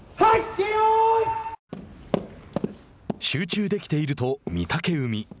集中できていると御嶽海。